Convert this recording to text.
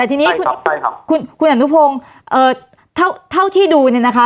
แต่ทีนี้คุณคุณคุณหนุพงเอ่อเท่าที่ดูเนี่ยนะคะ